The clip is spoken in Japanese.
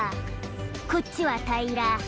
こっちは平ら。